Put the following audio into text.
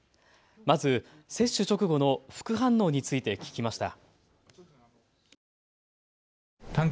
まず接種直後の副反応について聞きました。